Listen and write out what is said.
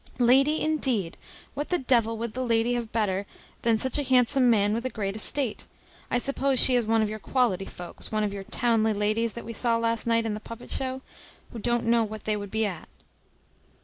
Lady, indeed! what the devil would the lady have better than such a handsome man with a great estate? I suppose she is one of your quality folks, one of your Townly ladies that we saw last night in the puppet show, who don't know what they would be at."